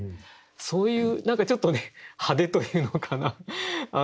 そういう何かちょっと派手というのかな。